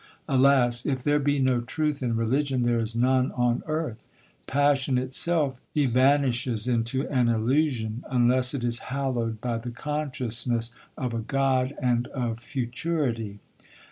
Alas! if there be no truth in religion, there is none on earth! Passion itself evanishes into an illusion, unless it is hallowed by the consciousness of a God and of futurity.